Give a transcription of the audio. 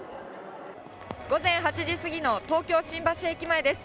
午前８時過ぎの東京・新橋駅前です。